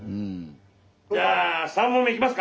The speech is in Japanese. じゃあ３問目いきますか？